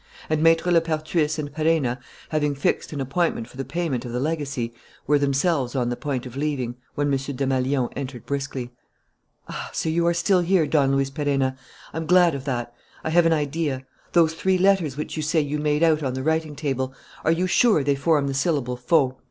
And Maître Lepertais and Perenna, having fixed an appointment for the payment of the legacy, were themselves on the point of leaving, when M. Desmalions entered briskly. "Ah, so you're still here, Don Luis Perenna! I'm glad of that. I have an idea: those three letters which you say you made out on the writing table, are you sure they form the syllable Fau?"